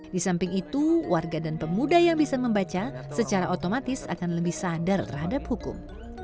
di samping itu warga dan pemuda yang bisa membaca secara otomatis akan lebih sadar terhadap hukum